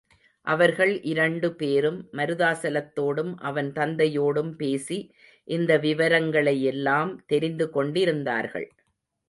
அவர்கள் இரண்டு பேரும் மருதாசலத்தோடும் அவன் தந்தையோடும் பேசி, இந்த விவரங்களையெல்லாம் தெரிந்துகொண்டிருந்தார்கள்.